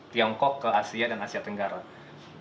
tiongkok ke asia dan asia tenggara